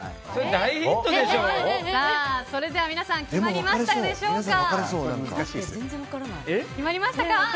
それでは皆さん決まりましたでしょうか。